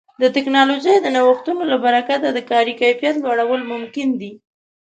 د ټکنالوژۍ د نوښتونو له برکت د کاري کیفیت لوړول ممکن دي.